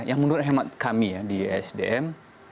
yang menurut hemat kami ya di sdm